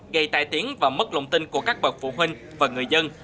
gây tai tiếng và mất lòng tin của các bậc phụ huynh và người dân